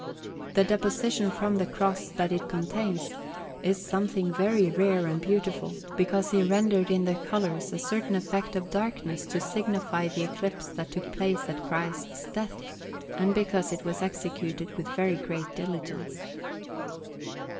The Deposition from the Cross that it contains is something very rare and beautiful, because he rendered in the colours a certain effect of darkness to signify the eclipse that took place at Christ's death, and because it was executed with very great diligence.